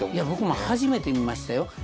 僕も初めて見ましたよ。